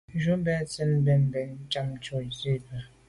Njù be sène bo bèn mbèn njam ntùm la’ nzi bwe.